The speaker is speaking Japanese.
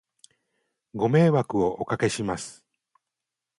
ご迷惑をお掛けします